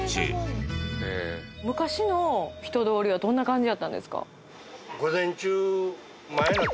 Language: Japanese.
昔の人通りはどんな感じやったんですか？